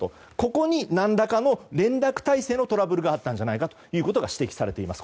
ここに何らかの連絡体制のトラブルがあったんじゃないかと指摘されています。